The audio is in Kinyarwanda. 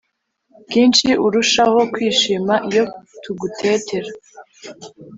bwinshi, urushaho kwishima, iyo tugutetera